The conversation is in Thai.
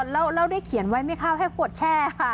แล้วได้เขียนไว้ไหมครับให้กดแช่ค่ะ